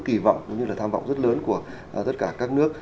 kỳ vọng cũng như là tham vọng rất lớn của tất cả các nước